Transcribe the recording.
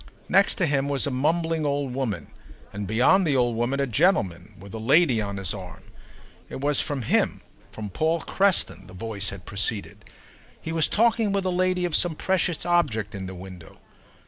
Next him was a mumbling old woman, and beyond the old woman a gentleman with a lady on his arm. It was from him, from Paul Creston, the voice had proceeded: he was talking with the lady of some precious object in the window.